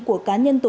của cá nhân thuê bao